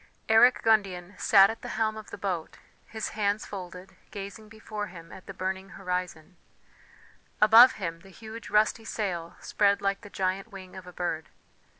Eric Gundian sat at the helm of the boat, his hands folded, gazing before him at the burning horizon; above him the huge rusty sail spread like the giant wing of a bird.